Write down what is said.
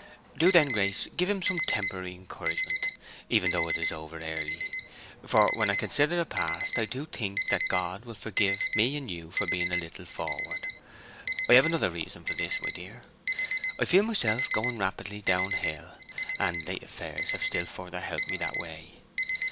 Do, then, Grace, give him some temporary encouragement, even though it is over early. For when I consider the past I do think God will forgive me and you for being a little forward. I have another reason for this, my dear. I feel myself going rapidly downhill, and late affairs have still further helped me that way.